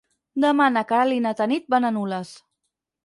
Demà na Queralt i na Tanit van a Nules.